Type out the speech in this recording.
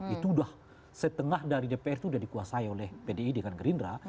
itu udah setengah dari dpr itu sudah dikuasai oleh pdi dengan gerindra